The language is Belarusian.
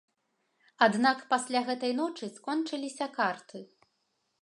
Аднак пасля гэтай ночы кончыліся карты.